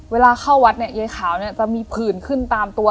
เวลาเข้าวัดเนี่ยยายขาวเนี่ยจะมีผื่นขึ้นตามตัว